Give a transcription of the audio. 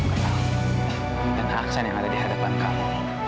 aku aksan yang ada di hadapan kamu